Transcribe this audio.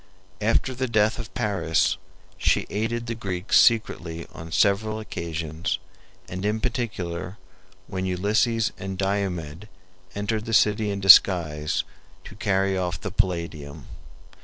After the death of Paris she aided the Greeks secretly on several occasions, and in particular when Ulysses and Diomed entered the city in disguise to carry off the Palladium.